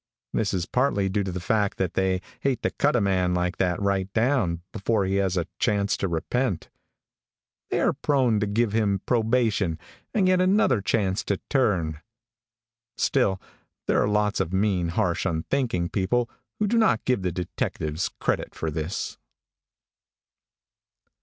This is partly due to the fact that they hate to cut a man like that right down, before he has a chance to repent. They are prone to give him probation, and yet another chance to turn. Still, there are lots of mean, harsh, unthinking people who do not give the detectives credit for this.